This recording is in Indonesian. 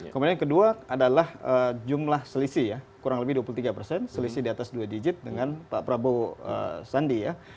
kemudian yang kedua adalah jumlah selisih ya kurang lebih dua puluh tiga persen selisih di atas dua digit dengan pak prabowo sandi ya